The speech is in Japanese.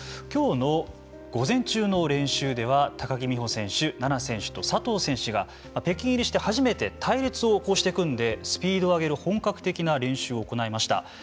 きょうの午前中の練習では高木美帆選手菜那選手と佐藤選手が北京入りして初めて隊列を、こうして組んでスピードを上げる本格的な練習を行いました。